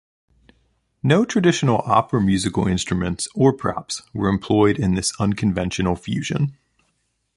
No traditional opera musical instruments or props were employed in this unconventional fusion.